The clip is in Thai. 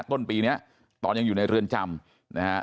ต้นปีนี้ตอนยังอยู่ในเรือนจำนะฮะ